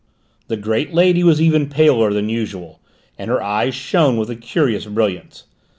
The great lady was even paler than usual, and her eyes shone with a curious brilliance.